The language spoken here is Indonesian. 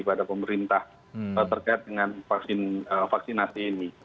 kepada pemerintah terkait dengan vaksinasi ini